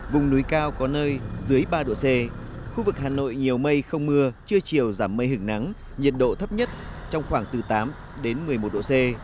vùng núi cao có nơi dưới ba độ c khu vực hà nội nhiều mây không mưa trưa chiều giảm mây hứng nắng nhiệt độ thấp nhất trong khoảng từ tám đến một mươi một độ c